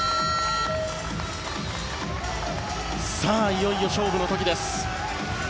いよいよ勝負の時です。